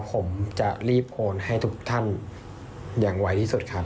ผมจะรีบโอนให้ทุกท่านอย่างไวที่สุดครับ